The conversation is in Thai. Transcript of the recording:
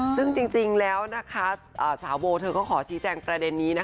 ซึ่งจริงแล้วสาวโบเธอก็ขอชี้แจงประเด็นนี้